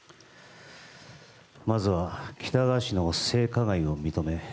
まずは喜多川氏の性加害を認め